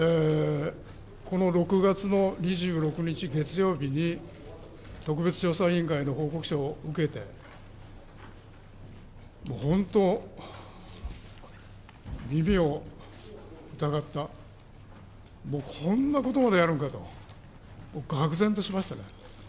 この６月の２６日月曜日に、特別調査委員会の報告書を受けて、本当、耳を疑った、こんなことまでやるのかとがく然としましたから。